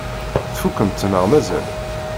Tfukkemt neɣ mazal?